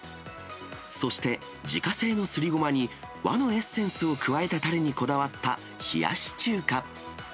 そして、自家製のすりごまに和のエッセンスを加えたたれにこだわった冷やし中華。